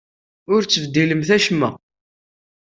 Ur ttbeddilemt acemma!